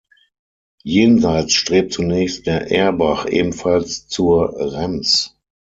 Jenseits strebt zunächst der Erbach ebenfalls zur "Rems".